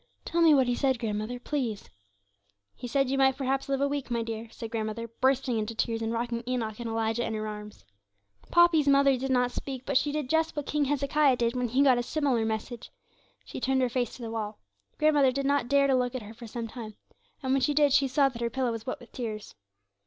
'Tell me what he said, grandmother, please.' 'He said you might perhaps live a week, my dear,' said grandmother, bursting into tears, and rocking Enoch and Elijah in her arms. Poppy's mother did not speak, but she did just what king Hezekiah did when he got a similar message, she turned her face to the wall. Grandmother did not dare to look at her for some time, and when she did she saw that her pillow was wet with tears.